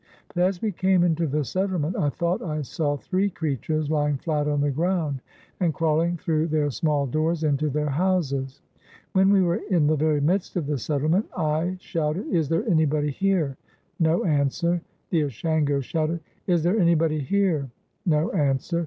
But as we came into the settlement I thought I saw three creatures lying flat on the ground, and crawhng through their small doors into their houses. When we were in the very midst of the settlement I shouted, "Is there anybody here?" No answer. The Ashangos shouted, "Is there anybody here?" No an swer.